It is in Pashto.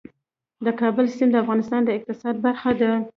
د کابل سیند د افغانستان د اقتصاد برخه ده.